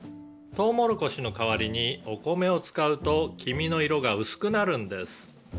「トウモロコシの代わりにお米を使うと黄身の色が薄くなるんです」